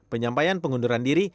penyampaian pengunduran diri